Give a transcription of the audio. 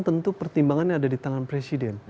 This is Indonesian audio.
tentu pertimbangannya ada di tangan presiden